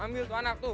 ambil tuh anak tuh